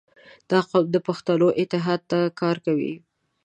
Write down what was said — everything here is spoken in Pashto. • دا قوم د پښتنو اتحاد ته کار کوي.